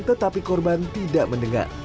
tetapi korban tidak mendengar